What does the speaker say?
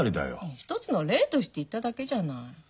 一つの例として言っただけじゃない。